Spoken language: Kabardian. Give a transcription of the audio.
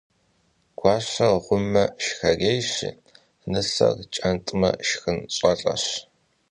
Гуащэр гъуммэ, шхэрейщи, нысэр кӀэнтӀмэ, шхын щӀэлӀэщ.